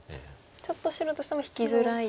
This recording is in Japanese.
ちょっと白としても引きづらいと。